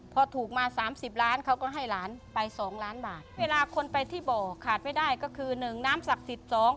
พอถูกมาสามสิบล้านเขาก็ให้หลานไปสองล้านบาทเวลาคนไปที่บ่อขาดไม่ได้ก็คือหนึ่งน้ำศักดิ์สิทธิ์สอง